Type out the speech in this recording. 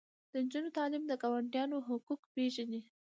د نجونو تعلیم د ګاونډیانو حقوق پیژني.